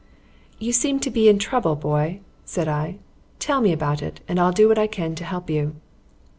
"You seem to be in trouble, boy," said I. "Tell me all about it and I'll do what I can to help you."